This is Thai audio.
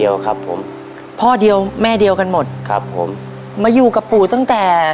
ยอวรีฟัง